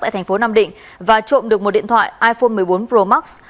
tại tp nam định và trộm được một điện thoại iphone một mươi bốn pro max